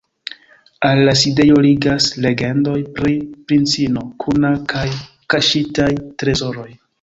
Al la sidejo ligas legendoj pri princino Kuna kaj kaŝitaj trezoroj.